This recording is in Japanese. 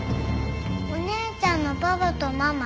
お姉ちゃんのパパとママ？